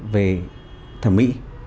về thẩm mỹ